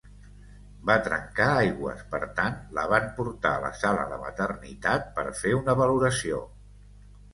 Va trencar aigües; per tant, la van portar a la sala de maternitat per fer una valoració.